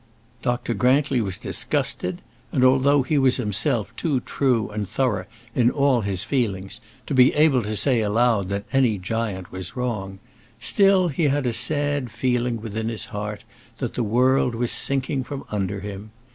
Dr. Grantly was disgusted; and although he was himself too true and thorough in all his feelings, to be able to say aloud that any Giant was wrong, still he had a sad feeling within his heart that the world was sinking from under him.